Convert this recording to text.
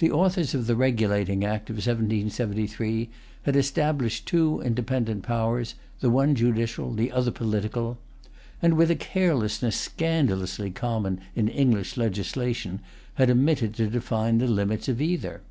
The authors of the Regulating Act of 1773 had established two independent powers, the one judicial, the other political; and, with a carelessness scandalously common in English legislation, had omitted to define the limits of either.